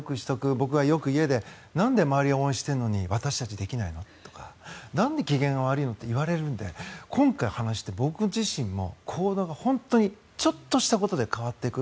僕はよく家でなんで周りを応援しているのに私たちはできないの？とかなんで機嫌が悪いのって言われるので、今回話してて僕自身も行動がちょっとしたことで変わっていく。